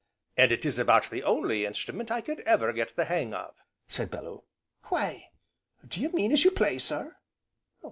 "And it is about the only instrument I could ever get the hang of," said Bellew. "Why do you mean as you play, sir?"